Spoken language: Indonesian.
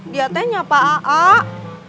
dia tanya apa aak